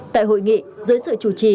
tại hội nghị dưới sự chủ trì